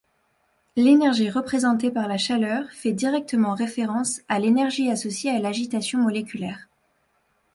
L’énergie représentée par la chaleur fait directement référence à l’énergie associée à l’agitation moléculaire.